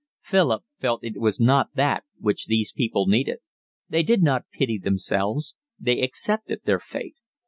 Philip felt it was not that which these people needed. They did not pity themselves. They accepted their fate.